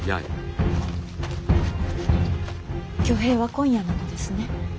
挙兵は今夜なのですね。